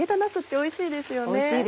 おいしいですよね